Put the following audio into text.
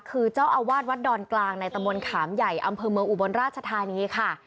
คือเจ้าอาวาสวัดดอนกลางในตะมนต์ขามใหญ่อำเภอเมืองอุบลราชธานีค่ะ